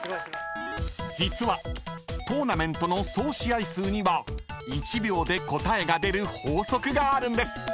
［実はトーナメントの総試合数には１秒で答えが出る法則があるんです］